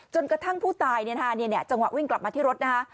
จนกระทั่งผู้ตายเนี่ยจังหวะวิ่งกลับมาที่รถนะ